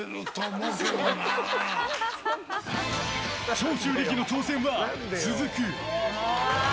長州力の挑戦は続く。